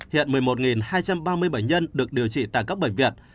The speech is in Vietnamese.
hiện một mươi một hai trăm ba mươi bệnh nhân được điều trị tại các bệnh viện